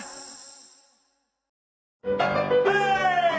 はい。